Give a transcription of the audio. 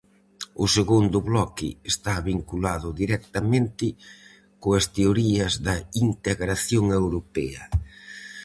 O segundo bloque está vinculado directamente coas teorías da integración europea.